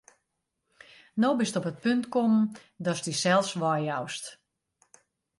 No bist op it punt kommen, datst dysels weijoust.